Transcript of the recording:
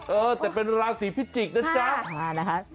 เออแต่เป็นราศีพิจิกษ์นะจ๊ะ